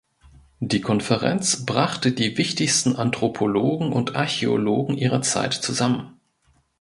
Die Konferenz brachte die wichtigsten Anthropologen und Archäologen ihrer Zeit zusammen.